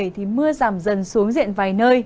thì mưa giảm dần xuống diện vài nơi